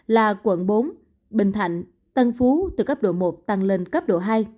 là quận bốn bình thạnh tân phú từ cấp độ một tăng lên cấp độ hai